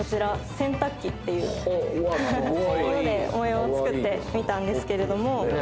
「洗濯機」っていうもので文様を作ってみたんですけど。